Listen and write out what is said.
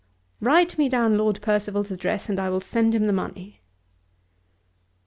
Write me down Lord Percival's address and I will send him the money."